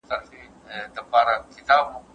زه هره ورځ شګه پاکوم.